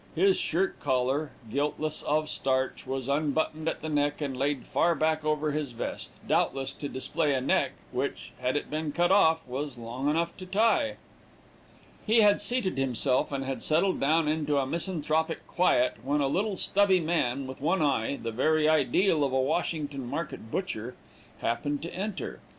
His shirt collar, guiltless of starch, was unbuttoned at the neck and laid far back over his vest, doubtless to display a neck which, had it been cut off, was long enough to tie. He had seated himself, and had settled down into a misanthropic quiet, when a little stubby man, with one eye the very ideal of a Washington market butcher happened to enter.